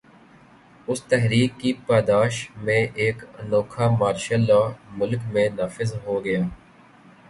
اس تحریک کی پاداش میں ایک انوکھا مارشل لاء ملک میں نافذ ہو گیا۔